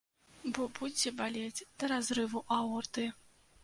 Бо будзе балець да разрыву аорты!